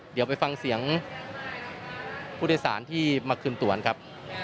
เดี๋ยวไปฟังเสียงผู้โดยสารที่มาคืนตวนครับ